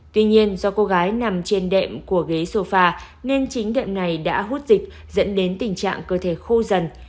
tuy nhiên do cô gái nằm trên đệm của ghế sô phà nên chính đệm này đã hút dịch dẫn đến tình trạng cơ thể khô dần